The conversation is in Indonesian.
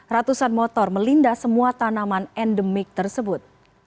ratusan motor melinda semua tanaman endemik tersebut